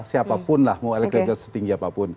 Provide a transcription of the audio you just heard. siapapun lah mau elektabilitas setinggi apapun